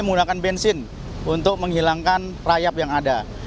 menggunakan bensin untuk menghilangkan rayap yang ada